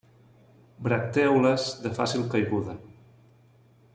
Bractèoles de fàcil caiguda.